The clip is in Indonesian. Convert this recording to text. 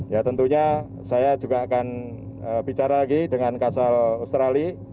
ya tentunya saya juga akan bicara lagi dengan kasal australia